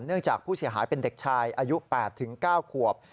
จากผู้เสียหายเป็นเด็กชายอายุ๘๙ขวบ